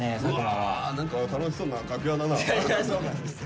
うわ何か楽しそうな楽屋だな。